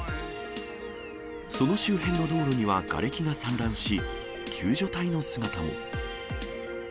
その周辺の道路にはがれきが散乱し、救助隊の姿も。